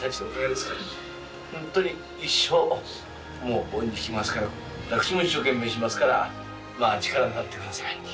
ホントに一生もう恩に着ますから私も一生懸命しますからまあ力になってください。